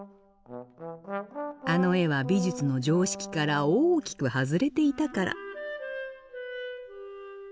あの絵は美術の常識から大きく外れていたから。